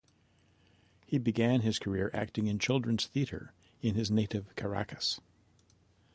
He began his career acting in children's theatre in his native Caracas.